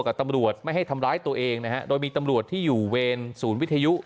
กับตำรวจไม่ให้ทำร้ายตัวเองนะฮะโดยมีตำรวจที่อยู่เวรศูนย์วิทยุ